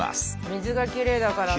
水がきれいだからね。